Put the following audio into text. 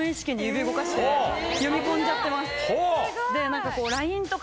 読み込んじゃってます。